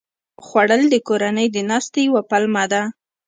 خوړل د کورنۍ د ناستې یوه پلمه ده